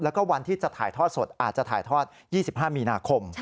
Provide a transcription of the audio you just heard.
แล้วก็วันที่จะถ่ายทอดสดอาจจะถ่ายทอด๒๕มีนาคม